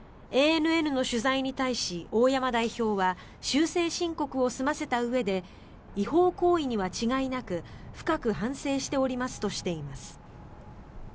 ＡＮＮの取材に対し大山代表は修正申告を済ませたうえで違法行為には違いなく深く反省しておりますとしています。